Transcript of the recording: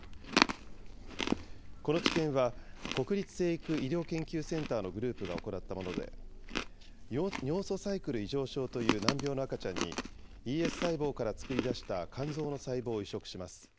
この治験は、国立成育医療研究センターのグループが行ったもので、尿素サイクル異常症という難病の赤ちゃんに、ＥＳ細胞から作り出した肝臓の細胞を移植します。